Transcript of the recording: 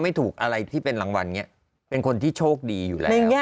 ไม่มีเงินจ่ายโทรตัส